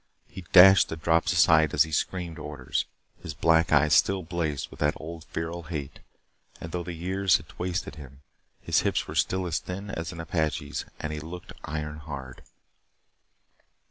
He dashed the drops aside as he screamed orders. His black eyes still blazed with that old feral hate, and though the years had wasted him, his hips were still as thin as an Apache's and he looked iron hard.